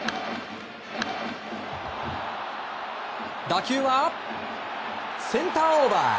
打球はセンターオーバー！